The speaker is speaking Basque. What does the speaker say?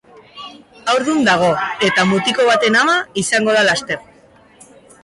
Haurdun dago eta mutiko baten ama izango da laster.